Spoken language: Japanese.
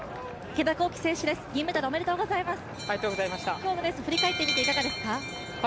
今日のレース、振り返ってみていかがですか？